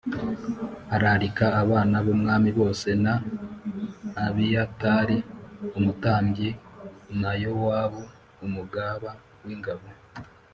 ararika abana b’umwami bose na Abiyatari umutambyi na Yowabu umugaba w’ingabo